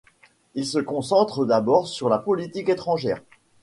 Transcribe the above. Il se concentre d’abord sur la politique étrangère.